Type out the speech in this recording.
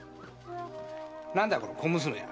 何だこの小娘は？